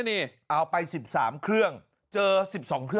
กะลาวบอกว่าก่อนเกิดเหตุ